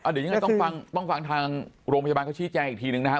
เดี๋ยวยังไงต้องฟังทางโรงพยาบาลเขาชี้แจงอีกทีนึงนะครับ